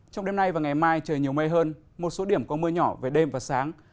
trong đêm nay và ngày mai trời nhiều mây hơn một số điểm có mưa nhỏ về đêm và sáng